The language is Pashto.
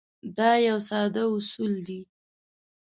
دا یو ساده اصول دی.